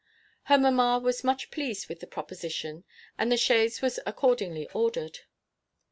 Her mamma was much pleased with the proposition, and the chaise was accordingly ordered.